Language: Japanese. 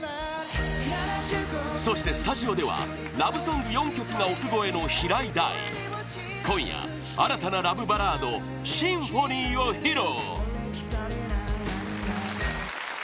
そして、スタジオではラブソング４曲が億超えの平井大今夜、新たなラブバラード「Ｓｙｍｐｈｏｎｙ」を披露